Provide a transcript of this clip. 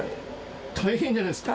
大変じゃないですか。